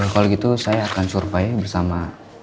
kalau gitu saya akan survei bersama